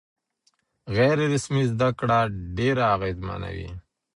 غیر رسمي زده کړه ډېره اغېزمنه وي.